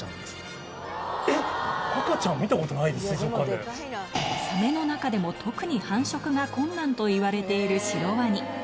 えっ、赤ちゃん見たことないサメの中でも特に繁殖が困難といわれているシロワニ。